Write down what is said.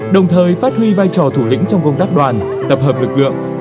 đồng thời phát huy vai trò thủ lĩnh trong công tác đoàn tập hợp lực lượng